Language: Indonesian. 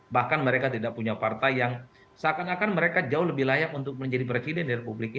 bahkan mereka tidak punya partai yang seakan akan mereka jauh lebih layak untuk menjadi partai